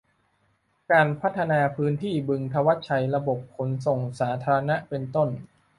การพัฒนาพื้นที่บึงธวัชชัย ระบบขนส่งสาธารณะ เป็นต้น